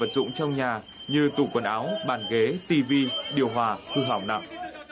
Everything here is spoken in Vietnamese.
trong nhà như tủ quần áo bàn ghế tivi điều hòa khu hỏng nặng